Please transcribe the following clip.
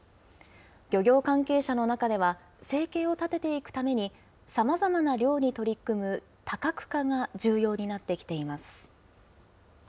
漁業関係者の中では、生計を立てていくために、さまざまな漁に取り組む多角化が重要になってきています。